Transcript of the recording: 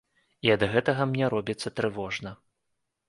І ад гэтага мне робіцца трывожна.